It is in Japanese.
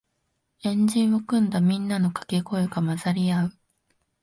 円陣を組んだみんなのかけ声が混ざり合う